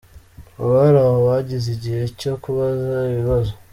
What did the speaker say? Abari aho bagize igihe cyo kubaza ibibazo.